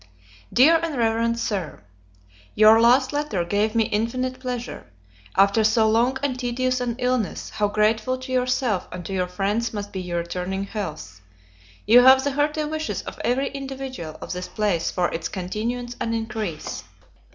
Dear and Rev. Sir, YOUR last letter gave me infinite pleasure: after so long and tedious an illness, how grateful to yourself and to your friends must be your returning health! You have the hearty wishes of every individual of this place for its continuance and increase.